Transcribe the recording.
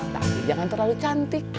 tapi jangan terlalu cantik